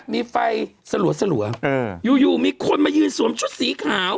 มีไฟสลัวอยู่มีคนมายืนสวมชุดสีขาว